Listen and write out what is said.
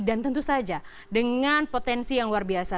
dan tentu saja dengan potensi yang luar biasa